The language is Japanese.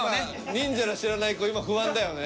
ニンジャラ知らない子今不安だよね？